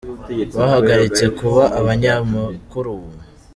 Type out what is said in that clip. bahagaritse kuba abanyamakuru